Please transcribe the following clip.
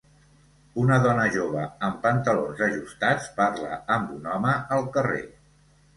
Una dona jove amb pantalons ajustats parla amb un home al carrer.